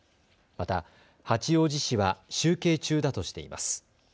また八王子市は集計中だとしています。